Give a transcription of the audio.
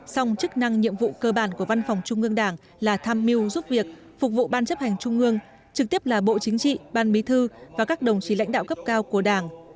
song chức năng nhiệm vụ cơ bản của văn phòng trung ương đảng là tham mưu giúp việc phục vụ ban chấp hành trung ương trực tiếp là bộ chính trị ban bí thư và các đồng chí lãnh đạo cấp cao của đảng